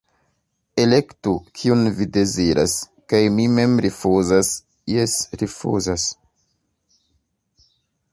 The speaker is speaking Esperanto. Elektu, kiun vi deziras, kaj mi mem rifuzas, jes, rifuzas.